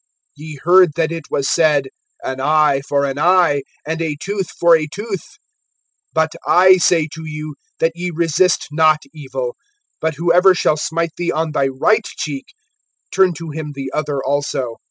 (38)Ye heard that it was said: An eye for an eye, and a tooth for a tooth. (39)But I say to you, that ye resist not evil; but whoever shall smite thee on thy right cheek, turn to him the other also.